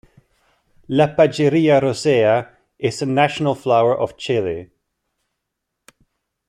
"Lapageria rosea" is the national flower of Chile.